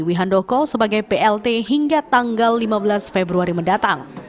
wihandoko sebagai plt hingga tanggal lima belas februari mendatang